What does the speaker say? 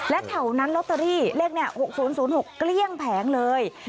และแถวนั้นลอตเตอรี่เลขนี้๖๐๐๖เกลี้ยงแผงเลย